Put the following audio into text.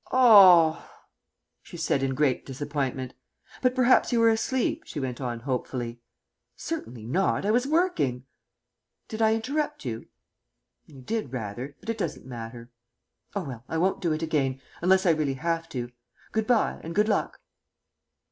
"Oh!" she said in great disappointment. "But perhaps you were asleep," she went on hopefully. "Certainly not. I was working." "Did I interrupt you?" "You did rather; but it doesn't matter." "Oh, well, I won't do it again unless I really have to. Good bye, and good luck."